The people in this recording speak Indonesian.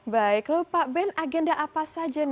baik lho pak ben agenda apa saja nih